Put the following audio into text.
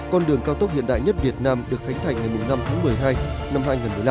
con đường cao tốc hiện đại nhất việt nam được khánh thành ngày năm tháng một mươi hai năm hai nghìn một mươi năm